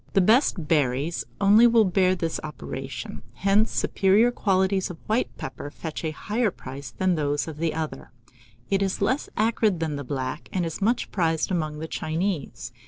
The best berries only will bear this operation; hence the superior qualities of white pepper fetch a higher price than those of the other. It is less acrid than the black, and is much prized among the Chinese.